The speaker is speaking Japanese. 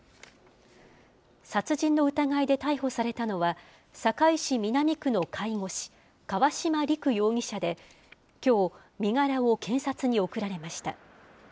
殺人の疑いで逮捕されたのは、堺市南区の介護士、川島陸容疑者で、きょう、身柄を検察に送られました。